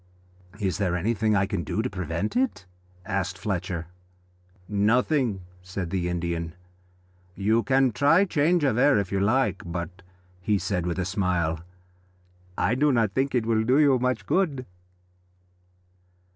"Is there anything I can do to prevent it?" asked Fletcher. "Nothing," said the Indian. "You can try change of air if you like, but," he said with a smile, "I do not think it will do you much good."